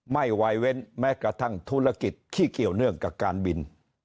วายเว้นแม้กระทั่งธุรกิจที่เกี่ยวเนื่องกับการบิน